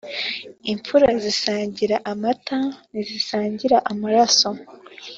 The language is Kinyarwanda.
Imfura zisangira amata ntizisangira amaraso.